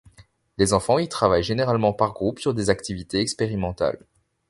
Les enfants y travaillent généralement par groupe sur des activités expérimentales.